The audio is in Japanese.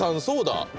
そうだ！